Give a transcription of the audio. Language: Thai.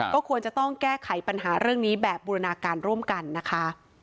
ก็ควรจะต้องแก้ไขปัญหาเรื่องนี้แบบบูรณาการร่วมกันนะคะ